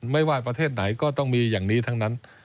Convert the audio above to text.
ไม่ว่าประเทศไหนก็ต้องมีอย่างนี้ทั้งนั้น